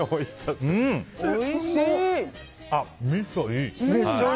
みそ、いい！